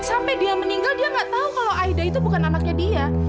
sampai dia meninggal dia nggak tahu kalau aida itu bukan anaknya dia